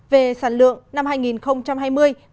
về sản lượng năm hai nghìn hai mươi các tỉnh dự kiến